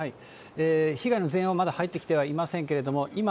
被害の全容はまだ入ってきてはいませんけど、今、